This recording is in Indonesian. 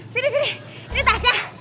sini sini ini tasnya